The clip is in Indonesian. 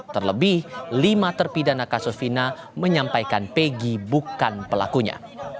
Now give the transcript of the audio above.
terlebih lima terpidana kasus fina menyampaikan pegi bukan pelakunya